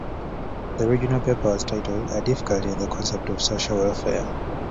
The original paper was titled "A Difficulty in the Concept of Social Welfare".